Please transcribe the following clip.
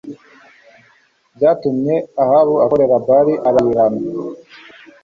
byatumye Ahabu akorera Bāli arayiramya